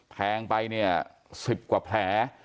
แทงไปเนี่ย๑๐กว่าแผล